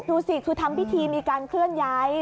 ดูสิคือทำพิธีมีการเคลื่อนย้าย